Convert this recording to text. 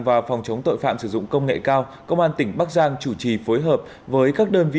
và phòng chống tội phạm sử dụng công nghệ cao công an tỉnh bắc giang chủ trì phối hợp với các đơn vị